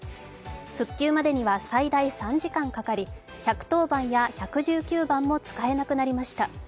復旧までには最大３時間かかり１１０番や１１９番も使えなくなりました。